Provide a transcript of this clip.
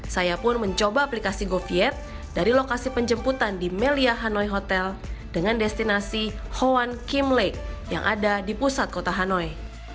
saya pun mencoba aplikasi goviet dari lokasi penjemputan di melia hanoi hotel dengan destinasi hone kim lake yang ada di pusat kota hanoi